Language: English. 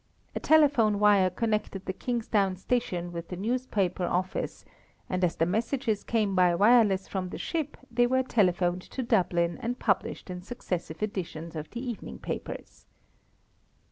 A telephone wire connected the Kingstown station with the newspaper office, and as the messages came by wireless from the ship they were telephoned to Dublin and published in successive editions of the evening papers.